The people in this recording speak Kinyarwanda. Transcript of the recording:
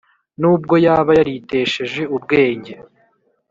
n ubwo yaba yaritesheje ubwenge